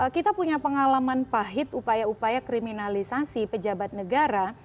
kita punya pengalaman pahit upaya upaya kriminalisasi pejabat negara